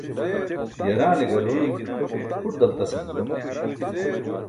yaraane garooni buṭ dalṭasan bo